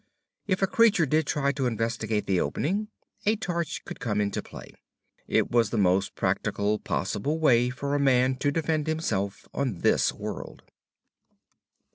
If a creature did try to investigate the opening, a torch could come into play. It was the most practical possible way for a man to defend himself on this world.